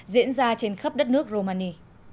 diễn ra trên khắp đất nước romani